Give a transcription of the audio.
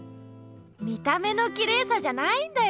見た目のきれいさじゃないんだよ。